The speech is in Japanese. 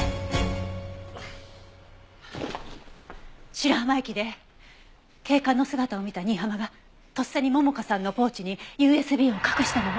白浜駅で警官の姿を見た新浜がとっさに桃香さんのポーチにＵＳＢを隠したのも。